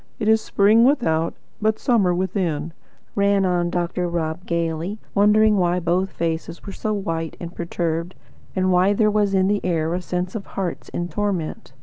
It is spring without, but summer within," ran on Dr. Rob gaily, wondering why both faces were so white and perturbed, and why there was in the air a sense of hearts in torment.